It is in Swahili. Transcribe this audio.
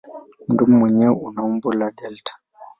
Mdomo wenyewe una umbo la delta.